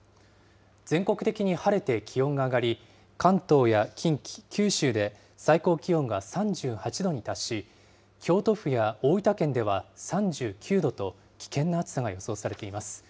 全国的に晴れて気温が上がり、関東や近畿、九州で最高気温が３８度に達し、京都府や大分県では３９度と、危険な暑さが予想されています。